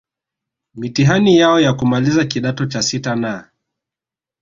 mitihani yao ya kumaliza kidato cha sita na